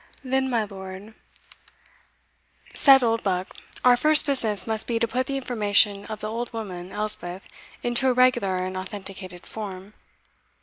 "Then, my lord," said Oldbuck, "our first business must be to put the information of the old woman, Elspeth, into a regular and authenticated form."